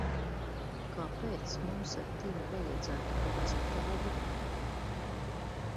Kāpēc mums ar tevi vajadzētu būt citādi?